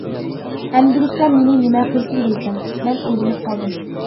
ئەمدىلىكتە مېنى نېمە قىلسۇن دەيسەن؟ مەن ئويلىنىپ قالدىم.